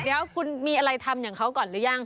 เดี๋ยวคุณมีอะไรทำอย่างเขาก่อนหรือยัง